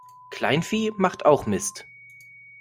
Kleinvieh macht auch Mist.